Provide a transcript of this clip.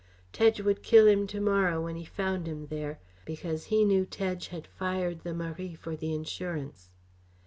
Tedge would kill him to morrow when he found him there; because he knew Tedge had fired the Marie for the insurance.